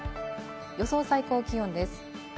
予想最高気温です。